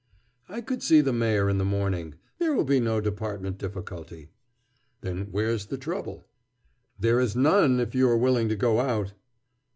"I could see the Mayor in the morning. There will be no Departmental difficulty." "Then where's the trouble?" "There is none, if you are willing to go out."